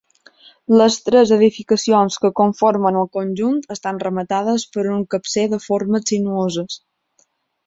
Les tres edificacions que conformen el conjunt estan rematades per un capcer de formes sinuoses.